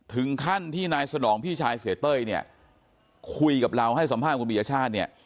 ถึงขั้นที่นายสนองพี่ชายเสียเต้ยเนี่ยคุยกับเราให้สัมภาษณ์คุณปียชาติเนี่ย